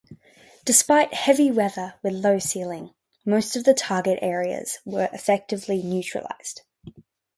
Despite heavy weather with low ceiling, most of the target areas were effectively neutralized.